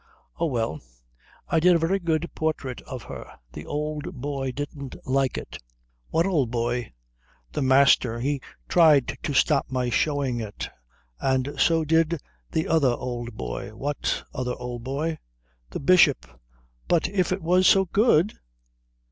"Oh, well. I did a very good portrait of her. The old boy didn't like it." "What old boy?" "The Master. He tried to stop my showing it. And so did the other old boy." "What other old boy?" "The Bishop." "But if it was so good?"